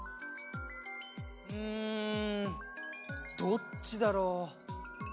うんどっちだろう？